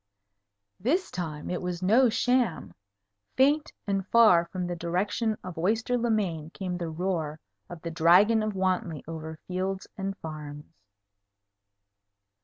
This time it was no sham. Faint and far from the direction of Oyster le Main came the roar of the Dragon of Wantley over fields and farms.